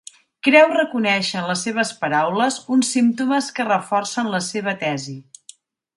Creu reconèixer en les seves paraules uns símptomes que reforcen la seva tesi.